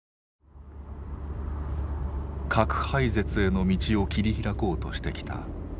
核廃絶への道を切り開こうとしてきたペリー。